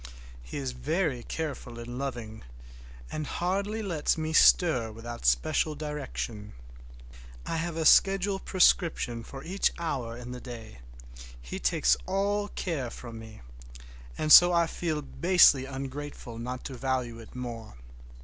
He is very careful and loving, and hardly lets me stir without special direction. I have a schedule prescription for each hour in the day; he takes all care from me, and so I feel basely ungrateful not to value it more.